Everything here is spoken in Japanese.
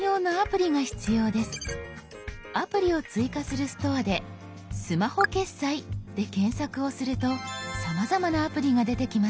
アプリを追加する「ストア」で「スマホ決済」で検索をするとさまざまなアプリが出てきます。